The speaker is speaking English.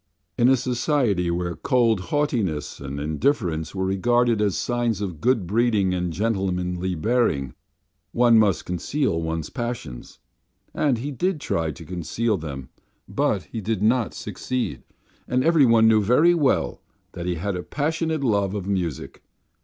In a society where cold haughtiness and indifference are regarded as signs of good breeding and gentlemanly bearing, one must conceal one's passions. And he did try to conceal them, but he did not succeed, and everyone knew very well that he had a passionate love of music.